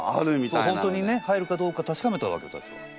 そう本当にね入るかどうかたしかめたわけわたしは。